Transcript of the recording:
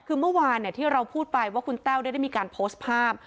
คือเมื่อวานที่เราพูดไปว่าคุณแต้วได้มีการโพสต์ภาพ